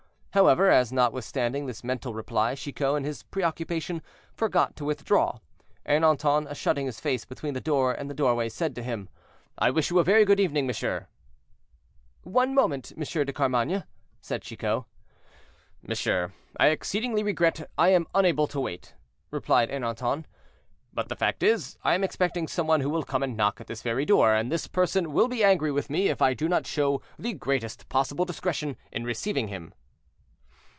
However, as, notwithstanding this mental reply, Chicot, in his preoccupation, forgot to withdraw, Ernanton, shutting his face between the door and the doorway, said to him: "I wish you a very good evening, monsieur."—"One moment, Monsieur de Carmainges," said Chicot. "Monsieur, I exceedingly regret I am unable to wait," replied Ernanton, "but the fact is, I am expecting some one who will come and knock at this very door, and this person will be angry with me if I do not show the greatest possible discretion in receiving him."